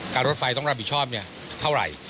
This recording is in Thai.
รถไฟต้องรับผิดชอบเท่าไหร่